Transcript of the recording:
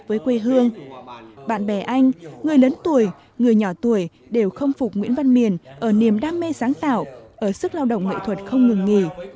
với quê hương bạn bè anh người lớn tuổi người nhỏ tuổi đều khâm phục nguyễn văn miền ở niềm đam mê sáng tạo ở sức lao động nghệ thuật không ngừng nghỉ